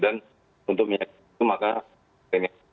dan untuk menyaksikan itu maka saya ingin